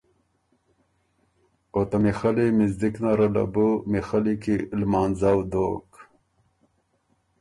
او ته میخلّی مِزدک نره له بُو میخلّی کی لمانځؤ دوک۔